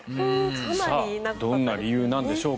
どんな理由なんでしょうか。